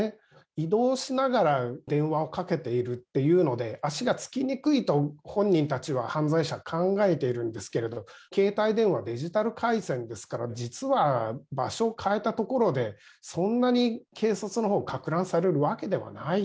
移動しながら電話をかけているっていうので、足がつきにくいと本人たちは犯罪者、考えているんですけれども、携帯電話、デジタル回線ですから、実は場所を変えた所で、そんなに警察のほう、かく乱されるわけではない。